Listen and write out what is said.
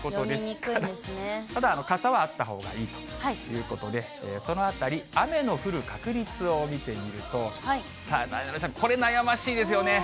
ただ、傘はあったほうがいいということで、そのあたり、雨の降る確率を見てみると、さあ、なえなのちゃん、これ、悩ましいですよね。